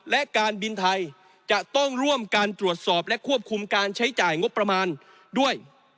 และการบินไทยจะต้องร่วมการตรวจสอบและควบคุมการใช้จ่ายงบประมาณด้วย